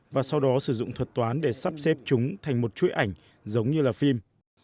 và sau đó sử dụng thuật toán để sắp xếp chúng thành một chuỗi ảnh giống như là phim